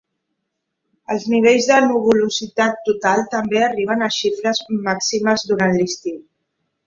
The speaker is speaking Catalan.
Els nivells de nuvolositat total també arriben a xifres màximes durant l'estiu.